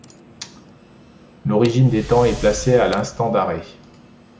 L'origine des temps est placée à l'instant d'arrêt.